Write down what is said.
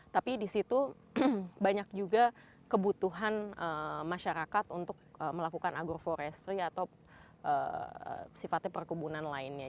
tapi di situ banyak juga kebutuhan masyarakat untuk melakukan agroforestry atau sifatnya perkubunan lainnya